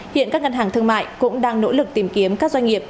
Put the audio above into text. hiện các ngân hàng thương mại cũng đang nỗ lực tìm kiếm các doanh nghiệp